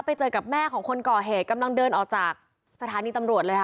ไปเจอกับแม่ของคนก่อเหตุกำลังเดินออกจากสถานีตำรวจเลยค่ะ